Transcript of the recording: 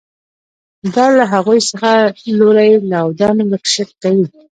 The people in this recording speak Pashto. دا له هغوی څخه لوری لودن ورک کوي.